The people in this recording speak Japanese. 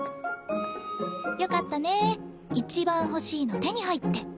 よかったねいちばん欲しいの手に入って。